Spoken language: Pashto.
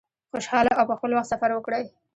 خوشحاله او په خپل وخت سفر وکړی.